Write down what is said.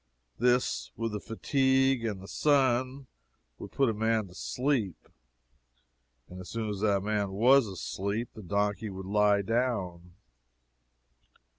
This, with the fatigue, and the sun, would put a man asleep; and soon as the man was asleep, the donkey would lie down.